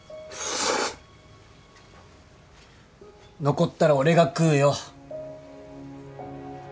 残ったら俺が食うよ。